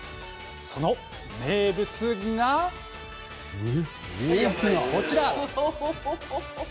その名物がこちら。